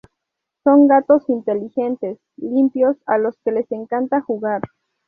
Son gatos inteligentes, limpios, a los que les encanta jugar.